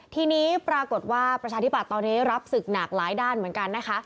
ทีนี้ปรากฏว่าประชาธิบัตย์ตอนนี้รับศึกหนักหลายด้านเหมือนกันนะคะ